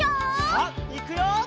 さあいくよ！